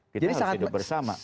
kita harus hidup bersama